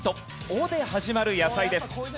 「オ」で始まる野菜です。